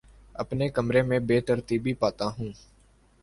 اپنے کمرے میں بے ترتیبی پاتا ہوں